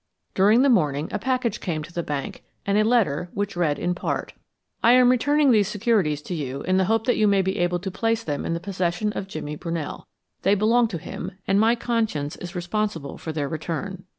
During the morning a package came to the bank and a letter which read in part: ... I am returning these securities to you in the hope that you may be able to place them in the possession of Jimmy Brunell. They belong to him, and my conscience is responsible for their return.